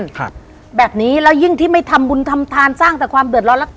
ครับแบบนี้แล้วยิ่งที่ไม่ทำบุญทำทานสร้างแต่ความเดือดร้อนแล้ว